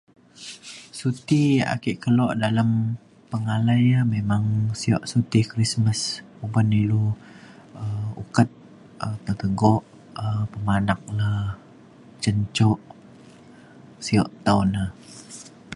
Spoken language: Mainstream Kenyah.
suti ia' ake kelo dalem pengalai ia' memang sio suti Krismas uban ilu um ukat pe tego um pemanak le cin jok sio tau ne